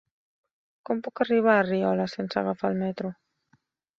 Com puc arribar a Riola sense agafar el metro?